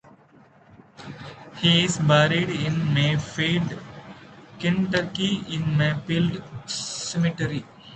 He is buried in Mayfield, Kentucky in Maplewood Cemetery.